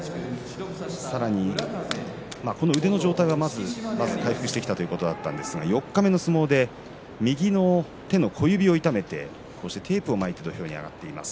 さらにこの腕の状態がまず回復してきたということだったんですが四日目の相撲で右の手の小指を痛めてこうしてテープを巻いて土俵に上がっています。